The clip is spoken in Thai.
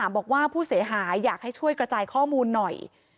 บอกว่าผู้เสียหายอยากให้ช่วยกระจายข้อมูลหน่อย